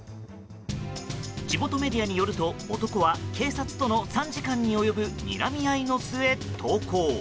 地元メディアによると、男は警察との３時間に及ぶにらみ合いの末、投降。